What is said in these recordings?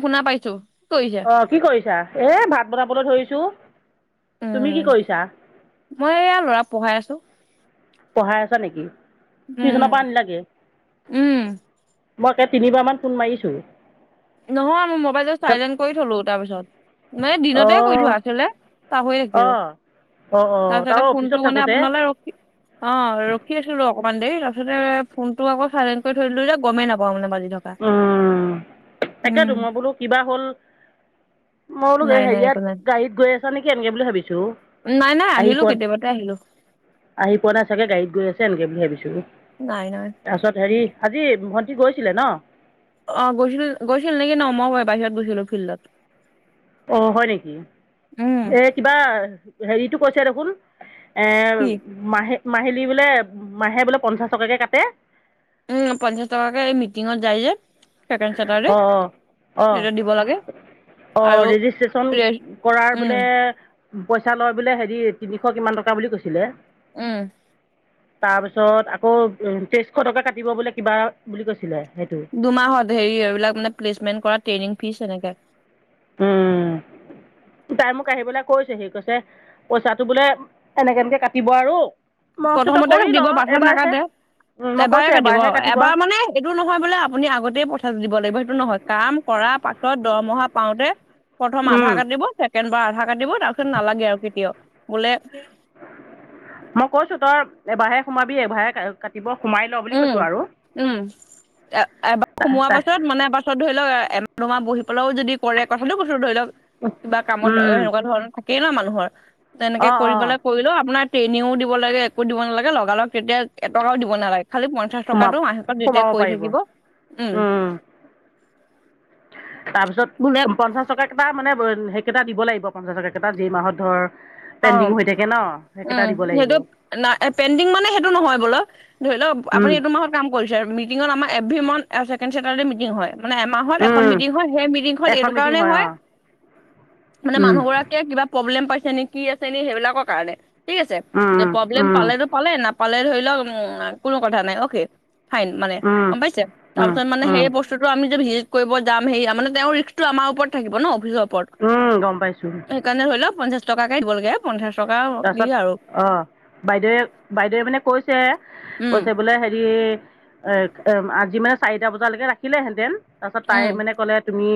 শুনা পাইছোঁ, কি কৰিছা? অ', কি কৰিছা? এই ভাত বনাবলৈ ধৰিছোঁ। তুমি কি উম কৰিছা? মই এয়া ল'ৰাক পঢ়াই আছোঁ। পঢ়াই আছাঁ নেকি? উম টিউচনৰ পৰা আনিলাগে। উম মই একে তিনিবাৰমান ফোন মাৰিছোঁ। নহয়, মোৰ মোবাইলটো তাৰপিছত চাইলেণ্ট কৰি থলো তাৰপিছত। নাই, দিনতে কৈ অঁ থোৱা আছিলে, পাহৰি থাকিলোঁ। অঁ অঁ অঁ তাৰপিছতে তাৰো ফোনটো অফিচত মানে, থাকোঁতে আপোনালৈ ৰখি অ' ৰখি আছিলোঁ অকনমান দেৰি। তাৰপিছতে, ফোনটো আকৌ চাইলেণ্ট কৰি থৈ দিলো যে, গমেই নাপাওঁ মানে বাজি থকা। অ', উম তাকেতো মই বোলো কিবা হ'ল। মই বোলো নাই হেৰি, নাই একো নাই ইয়াত গাড়ীত গৈ আছা নেকি? এনেকে বুলি ভাবিছোঁ ঔ। নাই, নাই আহিলো। কেতিয়াবাতে আহিলো। আহি পোৱা চাগে, গাড়ীত গৈ আছে এনেকে বুলি ভাবিছোঁ। নাই, নাই। তাৰপিছত হেৰি, আজি ভণ্টি গৈছিলে ন'? অ' গৈছিল, গৈছিল নেকি ন'? মইয়ো বাহিৰত গৈছিলো ফিল্ডত। অ' হয় নেকি। উম এ কিবা, হেৰিটো কৈছে দেখোন। এ কি মাহে, মাহিলী বোলে, মাহে বোলে পঞ্চাছ টকাকে কাটে। উম, পঞ্চাছ টকাকে, এই মিটিঙত যায় যে। ছেকেণ্ড চেটাৰডে, অঁ তেতিয়া দিব লাগে। আৰু অ' ৰেজিষ্ট্ৰেশ্যন ৰেষ্ট কৰাৰ উম বোলে পইচা লয় বোলে। হেৰি, তিনিশ কিমান টকা বুলি কৈছিলে। উম। তাৰপিছত আকৌ উম, তেইছ শ টকা কাটিব বোলে কিবা বুলি কৈছিলে। সেইটো দুমাহত হেৰি, এইবিলাক মানে প্লেচমেন্ট কৰা ট্ৰেইনিং ফিছ এনেকে। উম। তাই মোক আহিবলে কৈছে হি। কৈছে, পইচাটো বোলে, এনেকে, এনেকে কাটিব আৰু। মই কৈছোঁ তই প্ৰথমতে কৰি ল কাটিব, পাছত এবাৰহে নাকাটে। উম মই কৈছোঁ এবাৰে কাটিব, এবাৰহে এবাৰ মানে এইটো নহয় বোলে, আপুনি আগতে পঠাই দিব লাগিব, সেইটো নহয়, কাম কৰাৰ পাছত দৰমহা পাওঁতে প্ৰথম আধা উম কাটিব ছেকেণ্ড বাৰ আধা কাটিব তাপিছত নালাগে আও কেতিয়াও বোলে ম কৈছো তই এবাৰহে সোমাবি এভাৰে কাৰ কাটিব সোমাই ল বুলি উম কৈছোঁ আৰু উম, এ, এবা সোমোৱা পাছত মানে এবা পিছত ধৰি লক এ, এমাহ দুমাহ বহি পেলাইও যদি কৰে কথাটো কৈছোঁ ধৰি লক কিবা কামত অ', সেকুৱা ধৰণ থাকেই ন মানুহৰ তেনেকে অঁ কৰি অঁ পেলাই কৰিলেও আপোনাত ট্ৰেইনিঙো দিব লাগে একো দিব নালাগে লগালগ তেতিয়া এটকাও দিব নালাগে খালি পঞ্চাচ সোমাব টকাটো মাহেকত সোমাব দিতেক কই পাৰিব থাকিব উম তাপিছত [unintelligible] পঞ্চাছ টকাকেটা মানে [unintelligible] সেকেটা দিব লাইব পঞ্চাছ টকাকেটা যি মাহত ধৰ অ পেণ্ডিং হৈ থাকে ন সেইকেইটা উম, দিব লাগিব সেইটো না এ, পেণ্ডিং মানে সেইটো নহয় হ'বলা ধৰি লওঁক আপুনি এইটো মাহত কাম কৰিছে মিটিঙত আমা এভৰী মন এ, ছেকেণ্ড চেটাৰডে মিটিং হয়। মানে এমাহত এখন মিটিং হয় সেই মিটিংখন এখন এইটো মিটিং কাৰণেই হয় মানে মানুহ গৰাকীয়ে কিবা পব্লেম পাইছে নিকি আছে নি সেইবিলাকৰ কাৰণে ঠিক আছে য পব্লেম পালেতো পালে নাপালে ধৰি লওঁক উম আ, কোনো কথা নাই অকে ফাইন মানে গম পাইছে তাপাছত মানে সেই বচ স্তুটো আমি যে ভিজিট কইব যাম সেইয়া মানে তেওঁৰ ৰিক্সটো আমাৰ ওপৰত থাকিব ন অফিচ ওপৰত উম গম পাইছোঁ। সেইকাৰণে ধৰি ল পঞ্চাছ টকাকে দিব লাগে। পঞ্চাচ টকা আও তাপছত অ', বাইদেৱে বাইদেৱে মানে কৈছ ছে কছে উম বোলে হেৰি এক এ‌, আজি মানে চাৰিটা বজালৈকে ৰাখিলেহেঁতেন তাপাছত তাই উম মানে ক'লে তুমি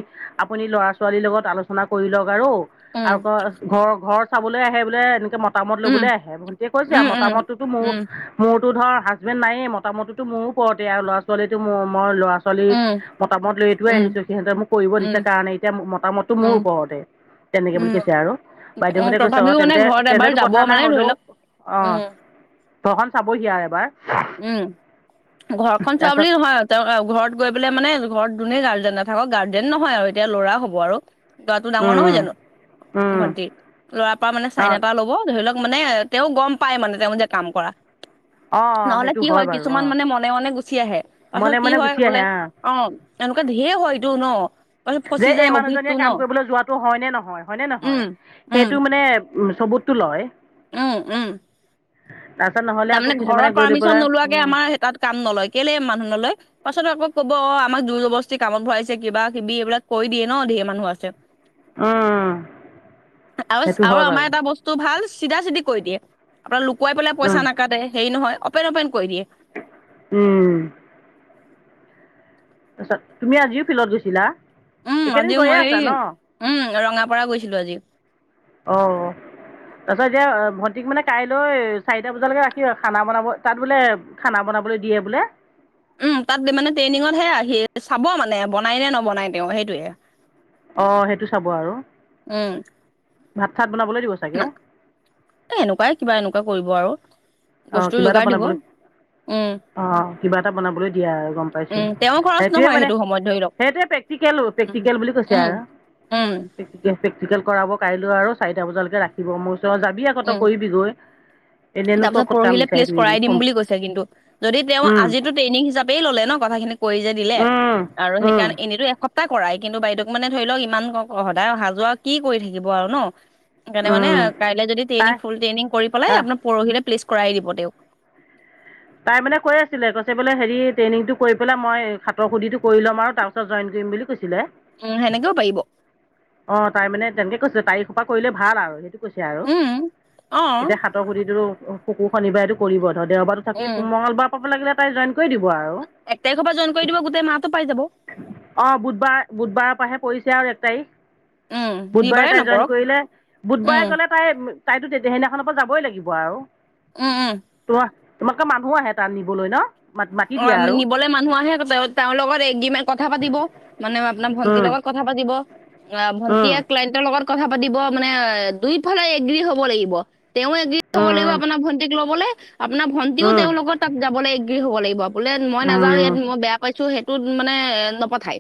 আপুনি ল'ৰা ছোৱালীৰ লগত আলোচনা কৰি লওঁক আৰু আৰু উম কৰ ঘৰ ঘৰ চাবলে আহে বোলে এনেকে মতামত ল'বলে উম আহে ভণ্টিয়ে কৈছে উম মতামত টোতো মোৰ উম মোৰতো ধৰ হাজবেণ্ড নায়ে মতামততোটো মোৰ ওপৰতে আৰু ল'ৰা‌ ছোৱালীটো মোৰ মই ল'ৰাছ ছোৱালী উম উম মতামত লৈয়েটো উম আহিছো সিহঁতে মোক কৰিব দিছে উম কাৰণে এতিয়া ম মতামতটো মোৰ উম ওপৰতে। তেনেকে বুলি উম কৈছে আৰু উম বাইদেউহঁতে কছে অ', তথাপিও মানে তেন্তে ঘৰত এবাৰ তেন্তেটো যাব কথা নাই মানে ধৰি হ'লেও লওক অ', উম ঘখন চাবহি আৰু এবাৰ। উম, ঘৰখন চোৱা তাৰপিছত বুলি নহয় তেওঁ [unintelligible] ঘৰত গৈ পেলাই মানে ঘৰত যোনেই গাৰ্জেন নাথাকক গাৰ্জেন নহয় আৰু এতিয়া ল'ৰা হ'ব আৰু। [unintelligible] টো ডাঙৰ নহয় উম জানো উম ভণ্টি ল'ৰা পা মানে অ চাইন এটা ল'ব ধৰি লওঁক মানে এ, তেওঁ গম পাই মানে তেওঁ যে কাম কৰা অ নহ'লে সেইটো কি হয় বাৰু অ কিছুমান মানে মনে মনে গুচি আহে পাছত মনে কি মনে হয় গুচি বোলে আহে অ', এনুকুৱা ঢে হয়টো ন পাছত ফচি যে এই যায় অভিতটো মানুহজনীয়ে ন কাম কৰিবলৈ যোৱাটো হয় নে নহয় হয় নে উম নহয় উম সেইটো মানে উ, চবুটটো লয়। উম উম। তাৰপিছত নহ'লে আকৌ তামানে ঘৰৰ কিছুমানে গৈ লৈ পাৰ্মিশ্যন পেলাই নোলোৱাকে উম আমা সে তাত কাম নলয় কেলেই মানুহ নলয় পাছত আকৌ ক'ব অ', আমাক জোৰ জবস্তি কামত ভৰাইছে কিবা কিবি এইবিলাক কৈ দিয়ে ন ঢে মানুহ আছে। উম আ, আওচ সেইটো আৰু হয় বাৰু আমাৰ এটা বচ টো ভাল চিধা চিধি কৈ দিয়ে আপোনা লুকুৱাই পেলাই পইচা উম নাকাটে হেই নহয় অপেন অপেন কৰি দিয়ে। উম। তাছত তুমি আজিও ফিলত গৈছিলা? উম, এইকেইদিন আজিও গৈয়ে মই আছা এই ন উম ৰঙাপাৰা গৈছিলো আজি। অ' তাৰছত এতিয়া ভণ্টিক মানে কাইলৈ চাৰিটা বজালেকে ৰাখি খানা বনাব, তাত বোলে খানা বনাবলৈ দিয়ে বোলে। উম তাত দে মানে ট্ৰেইনিঙতহে আহি চাব মানে বনাই নে নবনাই, তেওঁ সেইটোয়ে। অঁ, সেইটো চাব আৰু। উম। ভাত - চাত বনাবলৈ দিব‌ ও, এ এনেকোৱাই কিবা এনেকোৱা কৰিব আৰু। অ' বস্তু কিবা এটা যোগাৰ দিব বনাবলৈ উম। অঁ, কিবা এটা বনাবলৈ দিয়ে আৰু গ'ম পাইছো, উম তেওঁৰ খৰচ সেইটোয়ে নহয় মানে সেইটো সময়ত ধৰি লওক সেইটোৱে প্ৰেক্টিকেল অ' উম প্ৰেক্টিকেল বুলি কৈছে উম আৰু। উম। প্ৰেক্টিকেল কৰাব কাইলৈ আৰু চাৰিটা বজালেকে ৰাখিব, মই কৈছোঁ অঁ যাবি আক' তই উম কৰিবি‌ গৈ। এনেইনো তই তাৰপিছত ক'ত পৰহিলে প্লেচ কৰাই দিম বুলি কৈ কিন্তু যদি তেওঁ উম আজিটো ট্ৰেনিইং হিচাপেই ল'লে ন' কথা খি কৰি যে দিলে উম আৰু উম সেইকাৰণে এনেতো এ সপ্তাই কৰাই কিন্তু বাইদেউক মানে ধৰি লওঁক ইমান সদায় অহা যোৱা কি কৰি থাকিব আৰু ন' সেইকাৰণে মানে উম কাইলে যদি তাই ট্ৰেইনিং ফুল ট্ৰেইনিং কৰি পেলাই অঁ আপোনাৰ পৰহিলে প্লেছ কৰাই দিব তেওঁক। তাই মানে কৈ আছিলে, কৈছে বোলে হেৰি ট্ৰেইনিংটো কৰি পেলাই মই হাতৰ সুধিটো কৰি ল'ম আৰু তাৰ ছত জইন কৰিম বুলি কৈছিলে। উম সেনেকেও পাৰিব। অঁ তাই মানে তেনেকে কৈছিলে, তাৰিখ পা কৰিলে ভাল আও সেইটো [unintelligible] কৈছে আৰু উম অ এতিয়া সাতৰ সোধিটো শুকু শনিবাৰেটো কৰিব ধৰ দেওবাটো থাকি উম মঙলবাৰ পাব লাগিলে তাই জইন কৰি দিব আৰু এক তাৰিখৰ পৰা জইন কৰি দিব, গোটেই মাহটো পাই যাব। অঁ, বুধবাৰ বুধবাৰৰ পাহে পৰিছে আৰু এক তাৰিখ। উম বুধবাৰে দেওবাৰে তাই জইন নপৰক কৰিলে, উম বুধবাৰে গ'লে তাই তাইতো তেত সেইদিনাখনৰ পা যাবই লাগিব আও উম উম। তোৱা কা মানুহ আহে তাত নিবলৈ ন' মাতি অ' দিয়ে আৰু নিবলৈ মানুহ আহে, তেওঁ তেওঁৰ লগত এগ্ৰিমেন কথা পাতিব মানে আপোনাৰ ভন্টি উম লগত ক কথা পাতিব আঁ উম ভন্টিয়ে ক্লণ্টৰ লগত কথা পাতিব মানে দুইফালে এগ্ৰী হ'ব লাগিব। তেওঁ এগ্ৰী হ'ব লাগিব উম আপোনাৰ ভণ্টিক লবলে, আপোনাৰ ভন্টিও উম তেওঁৰ লগৰ তাত যাবলে এগ্ৰী হ'ব লাগিব। বোলে মই নাযাওঁ উম ইয়াত মই বেয়া পাইছো, সেইটোত মানে নপঠায়।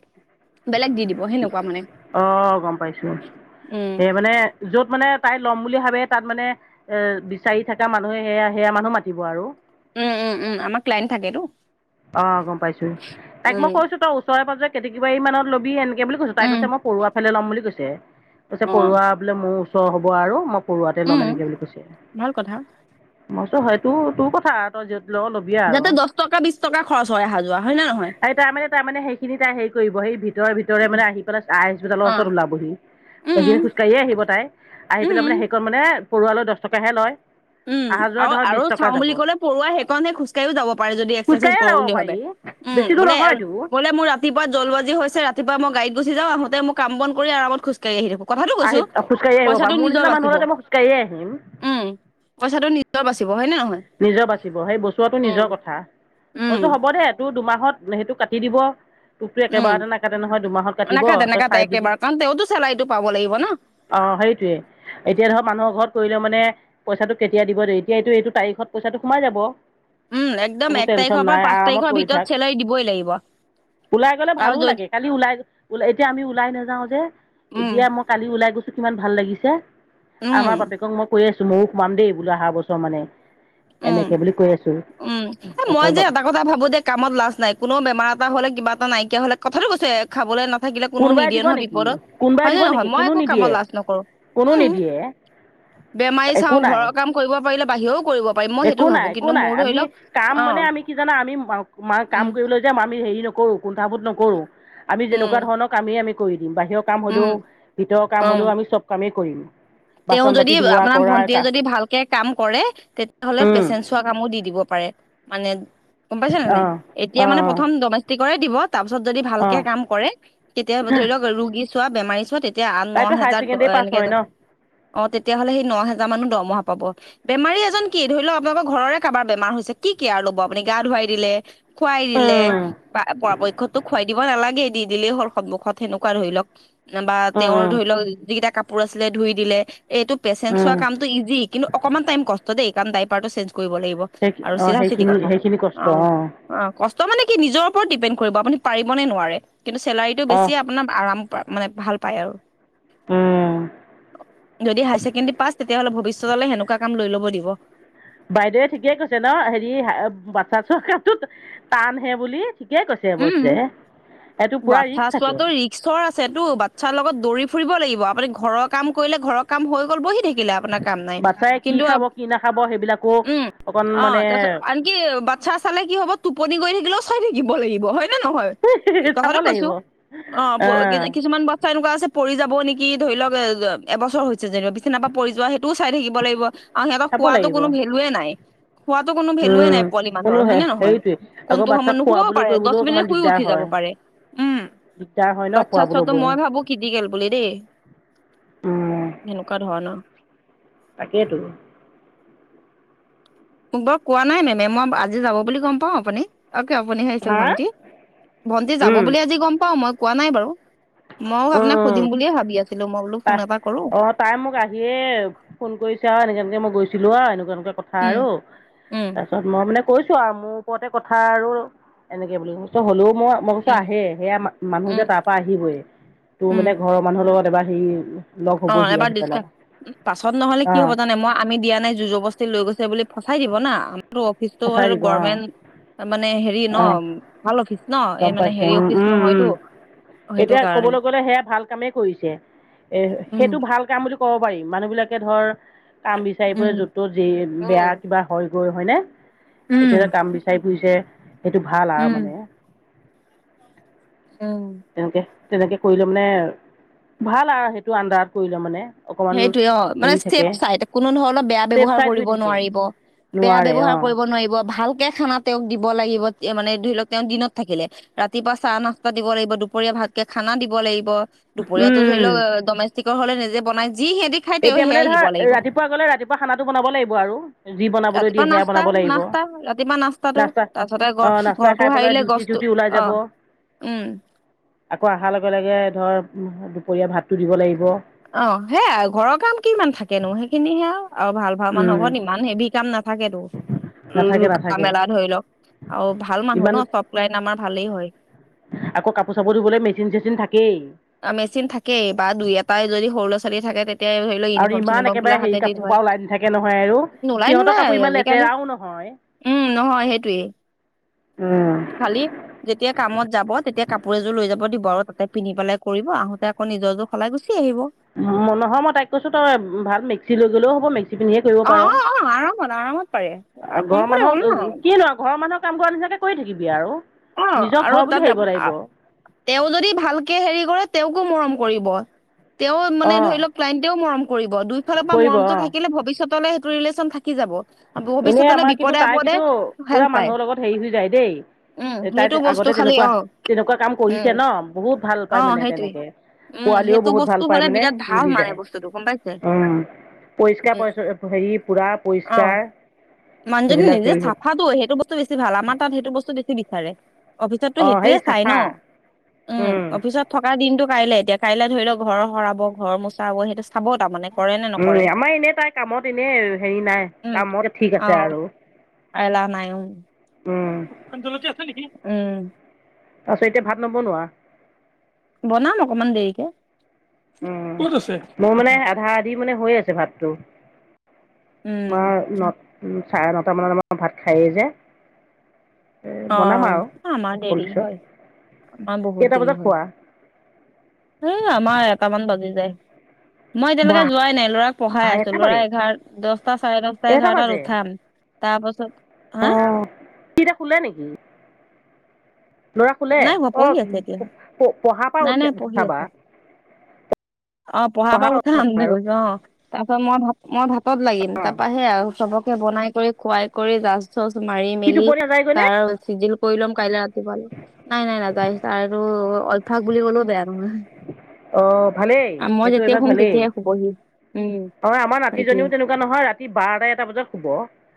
অ' গম পাইছো, উম সেই মানে য'ত মানে তাই ল'ম বুলি ভাবে তাত মানে এ বিচাৰি থকা মানুহে সেয়া সেয়া মানুহ মাতিব আৰু। উম উম উম। আমাৰ ক্লাইণ্ট থাকেতো। অ', গম পাইছোঁ, তাইক উম মই কৈছো তই ওচৰে পাজৰে কেটেকি বাৰী মানত লবি এন সেই বুলি কৈছো, তাই উম কৈছে মই পৰুৱা ফালে ল'ম বুলি কৈছে, কৈছে অ পৰুৱা বোলে মোৰ ওচৰ হ'ব আৰু ম পৰুৱাতে ল'ম এনেকি উম বুলি কৈছে, ভাল কথা মই হয়তো সেইটো তোৰ কথা তই য'ত ল' ল যাতে দচ টকা বিচ টকা খৰচ হয় আহা যোৱা হয় [unintelligible] এই তাইমানে তাইমানে সেইখিনি তাই হেৰি কৰিব সেই ভিতৰে ভিতৰে উম মানে আহি [unintelligible] অ ওচৰত ওলাবহি। [unintelligible] উম খোজকাঢ়িয়ে আহিব তাই, আহি উম, পেলাই মানে সেইকণ মানে পৰুৱালৈ দচ টকাহে লয়। উম, অহা যোৱা আৰু ধৰ আৰু বিশ টকা চাও যাব বুলি ক'লে পৰুৱা সেইকণহে খোজ [unintelligible] যাব পাৰে যদি এক্সেছাইজ খোজকাঢ়িয়ে কৰো যাব বুলি ভাবে, পাৰি উম, বেছি দূৰ বোলে নহয়তো বোলে মোৰ তিপুৱা জলবাজি হৈছে ৰাতিপুৱা মই গড়ীত গুছি যাওঁ, আহোতে মোৰ কাম বন কৰি আৰামত খুজ [unintelligible] কথাটো আহি কৈছো, খোজকাঢ়ি আহিব পাৰ পইচাটো মোৰ নিজৰ নিচিনা মানুহ বাচিব। হ'লেতো মই খোজকাঢ়িয়ে আহিম উম, পইচাটো নিজৰ বাচিব হয়নে নহয়? নিজৰ বাচিব সেই বচোৱাটো উম, নিজৰ কথা, উম, মইছো হ'বদে তোৰ দুমাহত সেইটো কাটি দিব। তোকতো উম, একেবাৰতে নাকাটে নহয় দুমাহত কাটিব নাকাটে তই নাকাটে চাই বুজি অ', একেবাৰে কাৰণ তেওঁতো চেলাৰীটো পাব লাগিব ন। সেইটোৱে, এতিয়া ধৰ মানুহৰ ঘৰত কৰিলেও মানে পইচাটো কেতিয়া দিব দেৰিকে এইটো এইটো তাৰিখ খত পইচাটো সোমাই যাব। উম, একদম কোনো এক টেনচন তাৰিখৰ পৰা নাই পাঁচ আৰামত তাৰিখৰ কৰি থাক ভিতৰত চেলাৰী দিবই লাগিব। ওলাই গ'লে আৰু ভালো যদি লাগে, কালি ওলাই এতিয়া আমি ওলাই নাযাওঁ যে, উম, এতিয়া মো কালি ওলাই গৈছোঁ কিমান ভাল লাগিছে, উম, আমাৰ বাপেকক ম কৈ আছো ময়ো সোমাম দেই বোলো আহা বছৰ মানে। উম, এনেকে বুলি কৈ আছো উম, এ, মই যে তাৰপিছত এবাক কথা ভাবো দে কামত লাজ নাই, কোনো বেমাৰ এটা হ'লে কিবা এটা নাইকিয়া হ'লে কথাটো কৈছে খাবলৈ নাথাকিলে কোনো কোনোবাই নিদিয়ে দিব নহয় নেকি বিপদত, কোনোবাই হয়নে দিব নহয় নেকি মই কোনো একো কামত নিদিয়ে লাজ নকৰো। কোনো উম নিদিয়ে। বেমাৰী চাও একো নাই ঘৰৰ কাম কৰিব পাৰিলে বাহিৰেও কৰিব পাৰিম মই সেইটো একো নাই ভাবো একো কিন্তু নাই মোৰ ধৰি আমি লওক কাম অ মানে আমি কি জানা আমি [unintelligible] মাৰ কাম উম কৰিব লৈ যাম আমি হেৰি নকৰো কুণ্ঠাবোধ নকৰো, আমি উম যেনেকুৱা ধৰণৰ কামেই আমি কৰি দিম। বাহিৰক কাম হ'লেও উম ভিতৰৰ কাম উম হ'লেও আমি চব কামে কৰিম। তেওঁ বাচন যদি বাতি ধোৱা আপোনাৰ কৰা ভন্টীয়ে কা যদি ভালকে কাম কৰে, তেতিয়াহ'লে উম পেচেঞ্চ চোৱা কামো দি দিব পাৰে, মানে গম পাইছা না অ নাই, এতিয়া অ মানে প্ৰথম ডমেষ্টিকৰে দিব। তাৰপিছত যদি অ অ ভালকে কাম কৰে, তেতিয়া ধৰি লওক ৰোগী চোৱা, বেমাৰী চোৱা তেত তিয়া আঠ তাইতো হায়াৰ নহেজাৰ দ ছেকেণ্ডৰী পাছ এনেকে, হয় ন অ', তেতিয়াহ'লে সেই নহেজাৰ মানো দৰমহা পাব। বেমাৰী এজন কি ধৰি লওক আপোনালোকৰ ঘৰৰে কাৰোবাৰ বেমাৰ হৈছে কি কেয়াৰ ল'ব আপুনি গা ধুৱাই দিলে। খুৱাই দিলে উম বা পৰাপক্ষতো খুৱাই দিব নালাগে, দি দিলেই হ'ল সন্মুখত। তেনেকুৱা ধৰি লওক বা উম তেওঁৰ উম ধৰি লওক যিকেইটা কাপোৰ আছিলে ধুই দিলে, এইটো পেচেণ্ট চোৱা উম কামটো ইজি কিন্তু অকণমান টাইম কষ্ট দে কাৰণ ডাইপাৰটো চেঞ্জ কৰিব লাগিব। আৰু [unintelligible] অ', চিধা চিধি সেইখিনি কথা সেইখিনি কষ্ট অ'। অ', কষ্ট মানে কি নিজৰ ওপৰত ডিপেণ্ড কৰিব আপুনি পাৰিবনে নোৱাৰে কিন্তু চেলাৰীটো অ বেছি আপ [unintelligible] আৰাম পা মানে ভাল পায় আৰু। উম। যদি হাই ছেকেণ্ডেৰী পাচ তেতিয়াহ'লে ভৱিষ্যতলে সেনেকুৱা কাম লৈ ল'ব দিব। বাইদেৱে ঠিকেই কৈছে ন'? হেৰি আ, বাচ্ছা [unintelligible] টানহে বুলি। ঠিকে কৈছে উম, অৱশ্যে, এইটো পুৰা ৰিস্ক থাকে। ঈশ্বৰ আছেতো, বাচ্ছাৰ লগত দৌৰি ফুৰিব লাগিব, আপুনি ঘৰৰ কাম কৰিলে ঘৰৰ কাম হৈ গ'ল বহি থাকিলে, আপোনাক কাম নাই, বাচ্ছাই কি কিন্তু খাব কি নাখাব সেইবিলাকো উম, অকণ অ', মানে তাছত আন কি বাচ্ছা চালে কি হ'ব টোপনি গৈ থাকিলেও চাই থাকিব লাগিব হয় নে নহয়? চাব কথাটো লাগিব কৈছোঁ, অ', প কিছুমান ব এনেকুৱা আছে পৰি যাব নেকি, ধৰি লওক এবছৰ হৈছে যেনিবা, বিছনাৰ পৰা পৰি যোৱা সেইটোও চাই থাকিব লাগিব। অ', সিহঁতৰ চাব শুৱাতো লাগিব কোনো ভেলুৱে নাই। শুৱাটো কোনো ভেলুৱে উম নাই পোৱালি কোনো মানুহৰ, হয় হে নে নহয়, হেৰিটোৱে আকৌ কোনটো সময়ত বাচ্ছাক নুশুবও খোৱাবলৈ পাৰে। দহ কৰিবলৈও অকমান শুই দিগদাৰ উঠি যাব হয় পাৰে, উম, দিগদাৰ হয় ন বাচ্ছা খোৱাবলৈ চোৱাটো বৈ মই ভাবো ক্ৰিটিকেল বুলি দেই। এনেকুৱা ধৰণৰ। তাকেতো। মোক বাৰু কোৱা নাই মেমে, মই আজি যাব বুলি গম পাওঁ আপুনি। অকে, আপুনিহে আহিছে হা ভণ্টি, ভণ্টি যাব উম বুলি আজি গম পাও মই, কোৱা নাই বাৰু। মইয়ো উম আপোনাক উম সুধিম বুলিয়ে ভাবি আছিলো, মই বোলো তা ফোন এপাক কৰো। অ তাই মোক আহিয়েই ফোন কৰিছে আৰু, এনেকৈ, এনেকৈ মই গৈছিলোঁ আৰু এনেকুৱা, এনেকুৱা কথা। উম আৰু উম তা তাৰপিচত মই মানে কৈছো আৰু, মোৰ ওপৰতে কথা আৰু এনেকে বুলি, মই কৈছোঁ হ'লেও মই মই কৈছোঁ উম আহে, সেইয়া মানুহ উম যে তাৰপৰা আহিবই, তোৰ উম মানে ঘৰৰ মানুহৰ লগত এবাৰ হেৰি লগ অ', হ'বহি এবাৰ আহি পেলাই ডিচকাচ, পাছত নহলে অ কি হ'ব জানে মই আমি দিয়া নাই, জোৰ -জবস্তি লৈ গৈছে বুলি ফচাই দিব না, আমাৰো অফিচটো সঁচাই আৰু দিব অ গৰমেণ্ট মানে হেৰি ন, অ ভাল অফিচ ন, এই গম মানে পাইছো হেৰি উম অফিচ উম উম নহয়তো। সেইটো এতিয়া কাৰণে ক'বলৈ গ'লে, সেয়া ভাল কামেই কৰিছে, এ উম সেইটো ভাল কাম বুলি ক'ব পাৰি, মানুহ বিলাকে ধৰ কাম বিচাৰি ফুৰে উম য'ত-ত'ত, যি উম বেয়া কিবা হয় গৈ হয়নে? এতিয়া যে উম কাম বিচাৰি ফুৰিছে, সেইটো ভাল আৰু উম মানে। উম। তেনেকে, তেনেকে কৰিলে মানে, ভাল আৰু সেইটো আণ্ডাৰত কৰিলে মানে। অকমান সেইটোয়ে অ', মানে হেৰি চেফ থাকে চাইড, কোনো ধৰণৰ বেয়া চেফ ব্যৱহাৰ চাইড হৈ কৰিব থাকে নোৱাৰিব। বেয়া নোৱাৰে অ ব্যৱহাৰ কৰিব নোৱাৰিব, ভালকে খানা তেওঁক দিব লাগিব, মানে ধৰি লওক তেওঁ দিনত থাকিলে। ৰাতিপুৱা চাহ-নাস্তা দিব লাগিব, দুপৰীয়া ভালকে খানা দিব লাগিব। দুপৰীয়াটো ধৰি উম লওক, ডমেষ্টিকৰ হ'লে নিজে বনাই, যি সিহঁটি এতিয়া মানে ধৰ, ৰাতিপুৱা গ'লে, ৰাতিপুৱা খানাটো বনাব লাগিব আৰু। যি বনাবলৈ ৰাতিপুৱা দিয়ে সেয়া নাস্তা বনাব লাগিব, নাস্তা ৰাতিপুৱা নাস্তাটো নাস্তা, তাৰপিছতে ঘৰ অ', নাস্তা ঘৰটো খাই পেলাই সাৰিলে ডিউটিত গছটো ডিউটি ওলাই অ যাব। উম। আকৌ অহাৰ লগে, লগে ধৰ দুপৰীয়া ভাতটো দিব লাগিব। অ', সেইয়াই, ঘৰৰ কাম কিমান থাকেনো, সেইখিনি সেয়া আৰু, আৰু ভাল ঘৰ উম মানুহ, ঘৰত ইমান হেভি কাম নাথাকেতো। উম, নাথাকে ৰুকা নাথাকে মেলা ধৰি লওক, আৰু ভাল মানুহ ইমান ন, চব লাইন আমাৰ ভালেই হয়। আকৌ কাপোৰ-চাপোৰ ধুবলৈ মেচিন-চেচিন থাকেই। মেচিন থাকেই বা দুই এটাই যদি সৰু ল'ৰা-ছোৱালী থাকে তে তেয়া ধৰি লওক, আৰু ইমান ইউনিফৰ্ম-চিনিফৰ্ম একেবাৰে বিলাক হেৰি হাতে দি কাপোৰ ধুয়ে, সোপা ওলাই নাথাকে নহয় আৰু নোলায়, সিহঁতৰ কাপোৰ নোলায় ইমান আজিকালি লেতেৰাও নহয়। উম, নহয় সেইটোৱেই। উম। খালি যেতিয়া কামত যাব, তেতিয়া কাপোৰ এযোৰ লৈ যাব দিব আৰু, তাতে পিন্ধিবলে। কৰিব আহোঁতে, আকৌ নিজৰ যোৰ সলাই গুচি আহিব। ম নহয়, মই তাইক কৈছো তই ভাল মেক্সি লৈ গ'লেও হ'ব মেক্সি পিন্ধিয়ে কৰিব অ পাৰ, অ অ আৰামত আৰামত পাৰে ঘৰৰ কমফৰ্টেবল মানুহক ন কিনো আৰু, ঘৰৰ মানুহৰ কাম কৰা নিচিনাকে কৰি থাকিবি আৰু, অ নিজৰ আৰু ঘৰ বুলি তাত ভাবিব লাগিব। তেওঁ যদি ভালকে হেৰি কৰে তেওঁকো মৰম কৰিব। তেওঁ মানে অ', ধৰি লওঁক ক্লাইণ্টেও মৰম কৰিব, দুই ফালৰ পৰা কৰিব মৰমটো অ', থাকিলে ভৱিষ্যতলে সেইটো ৰিলেশ্যন থাকি যাব। এনেই ভৱিষ্যতলৈ আমাৰ কিন্তু বিপদে তাই আপদে কিন্তু পুৰা হেল্প পায় মানুহৰ লগত হেৰি হৈ যায় দেই উম তাই সেইটো বস্তু আগতে খালি তেনেকুৱা অ তেনেকুৱা কাম কৰিছে উম ন, বহুত ভাল অ পাই মানে সেইটোৱে তেনেকে। উম পোৱালিও সেইটো বহুত ভাল বস্তু পায় হলে মানে বিৰাট ভাল মিলি মানে যায় বস্তুটো গম পাইছে উম। পৰিষ্কাৰ উম পৰিচ হেৰি পুৰা পৰিছ অ মানুহজনী নিজে চাফাটো সেইটো বস্তু বেছি ভাল। আমাৰ তাত সেইটো বস্তু বেছি বিচাৰে অফিচততো অ', সেই সেইটোয়ে চাই ন। চাফা উম, অফিচত থকা দিনটো কাইলে এতিয়া কাইলে ধৰি লও ঘৰ সৰাব, ঘৰ মোচাব সেইটো চাব তাৰমানে কৰে নে উম নকৰে আমাৰ এনেই তাই কামত এনেই হেৰি নাই, কামত ঠিক আছে আৰু আইলা নাইও উম ভূতজলকীয়া আছে নেকি? উম তাছত এটিয়া ভাত নবনোৱা। বনাম অকমান দেৰিকে। উম, মোৰ মানে আধা-আধি মানে হৈ আছে ভাতটো। উম আমাৰ ন, চাৰে নটা মানত আমা ভাত খায়েই যে। এ অ বনাম আৰু আমাৰ অকণ দেৰি পিছত হয়, আমাৰ কেইটা বহুত বজাত দেৰি হয়। খোৱা এ আমাৰ এটামান বাজি যায়। মই বা এতিয়ালৈকে যোৱাই নাই ল'ৰাক পঢ়াই আছোঁ এটা ল'ৰা বাজে এঘাৰ, দহটা, চাৰে দহটা, এটা এঘাৰটাত বাজে উঠাম। তাপাছত অ সি এতিয়া শুলে নেকি? ল'ৰা শুলে নাই হোৱা, অ পঢ়ি আছে এতিয়া প পঢ়া পা নাই নাই উঠি পঢ়ি উঠাবা। আছে অ, পঢ়াৰ পৰা উঠা আন দে কৈছ অ, তাৰপা মই ভাত মই ভাতত লাগিম, অ তাৰপা সে আৰু চবকে বনাই কৰি খুৱাই কৰি জাচ, চচ মাৰি, সি মেলি টোপনি নাযায়গৈ নে তাৰ চিজিল কৰি লম কাইলে ৰাতিপুৱালে নাই নাই নাযায় তাৰতো অলভ্যাস বুলি ক'লো বেয়া নহয়। অ ভালেই আ- মই সেইটো যেতিয়া এটা শুম ভালেই। তেতিয়াই শুবহি উম অ, আমাৰ সেইটোয়ে নাতিজনীও তেনেকুৱা নহয় ৰাতি বাৰটা, এটা বজাত শুব।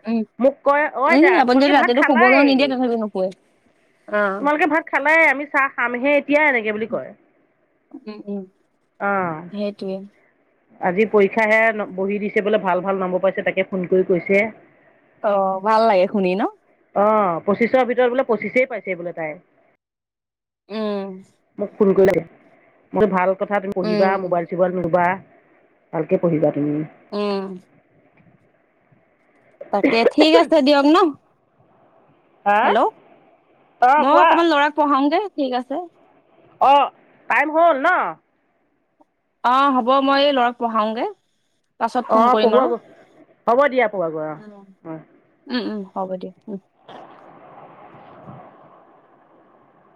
উম, মোক কয় অ এ আইতা আপুনি যদি তোমালোকে ভাত ৰাতিটো খালাই শুবলোঁ নিদিয়ে তথাপি নুশুৱে। অ খালে আমি চাহ খামহে এতিয়াই এনেকে বুলি কয়। উম উম। অ। সেইটোৱে। আজি পৰীক্ষা হে বহি দিছে বোলে ভাল, ভাল নম্বৰ পাইছে তাকে ফোন কৰি কৈছে। অ ভাল লাগে শুনি ন। অ, পঁচিছৰ ভিতৰত বোলে পঁচিছেই পাইছে বোলে তাই। উম মোক ফোন কৰিলে, মোক ভাল কথা তুমি উম পঢ়িবা, মোবাইল চোবাইনলবা, ভালকে পঢ়িবা তুমি। উম। তাকে ঠিক আছে হা দিয়ক ন। হেল্ল' অঁ মই কোৱা অকণমান ল'ৰাক পঢ়াউংগে ঠিক আছে। অ, টাইম হ'ল ন? অ, হ'ব মই এই ল'ৰাক পঢ়াওঙগে। পাছত ফোন অঁ কৰিম পঢ়োৱা আৰু গৈ, হ'ব দিয়া পঢ়োৱাগৈ অঁ অঁ উম উম হ'ব দিয়ক।